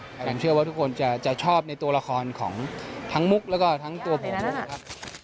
ผมเชื่อว่าทุกคนจะชอบในตัวละครของทั้งมุกแล้วก็ทั้งตัวผมนะครับ